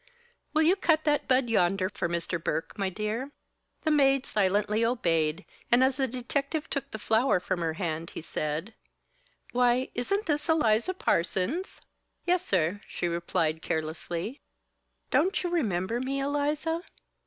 "Will you cut that bud yonder, for Mr. Burke, my dear?" The maid silently obeyed and as the detective took the flower from her hand he said: "Why, isn't this Eliza Parsons?" "Yes, sir," she replied, carelessly. "Don't you remember me, Eliza?"